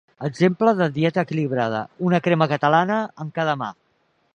Exemple de dieta equilibrada: una crema catalana en cada mà.